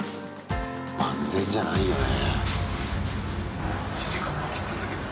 万全じゃないよね。